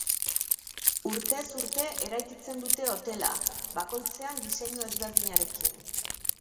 Urtez urte eraikitzen dute hotela, bakoitzean diseinu ezberdinarekin.